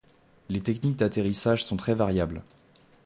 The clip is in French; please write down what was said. Les techniques d'atterrissage sont très variables.